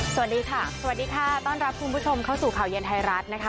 สวัสดีค่ะสวัสดีค่ะต้อนรับคุณผู้ชมเข้าสู่ข่าวเย็นไทยรัฐนะคะ